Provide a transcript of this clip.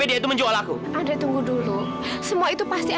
lama lama jangan nafal ya